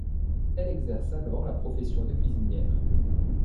Elle exerce alors la profession de cuisinière.